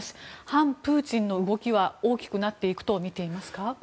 反プーチンの動きは大きくなっていくとみていますか？